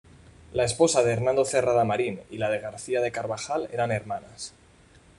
La esposa de Hernando Cerrada Marín y la de García de Carvajal, eran hermanas.